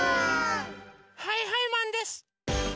はいはいマンです！